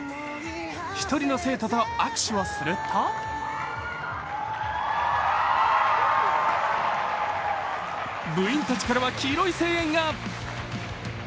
１人の生徒と握手をすると部員たちからは黄色い声援が。